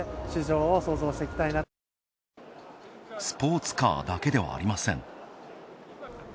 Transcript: スポーツカーだけではありません。